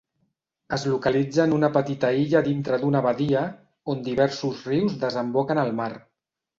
Es localitza en una petita illa dintre d'una badia on diversos rius desemboquen al mar.